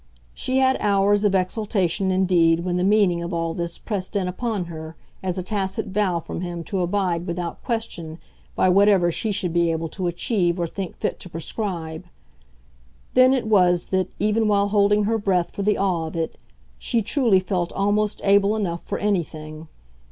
She had hours of exaltation indeed when the meaning of all this pressed in upon her as a tacit vow from him to abide without question by whatever she should be able to achieve or think fit to prescribe. Then it was that, even while holding her breath for the awe of it, she truly felt almost able enough for anything.